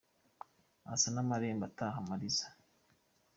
Asa n’amarembo ataha amariza